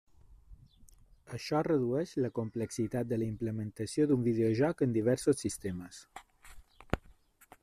Això redueix la complexitat de la implementació d'un videojoc en diversos sistemes.